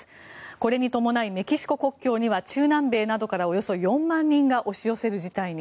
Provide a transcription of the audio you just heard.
これに伴いメキシコ国境には中南米からおよそ４万人が押し寄せる事態に。